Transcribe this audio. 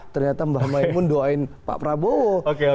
ternyata mbah maimun doain pak prabowo